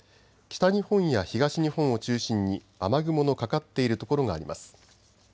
北日本や東日本を中心に雨雲のかかっている所があります。